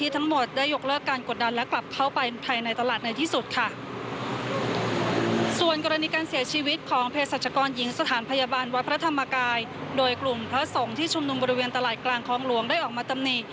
ที่ชุมนุมบริเวณตลาดกลางคลองหลวงได้ออกมาตำนี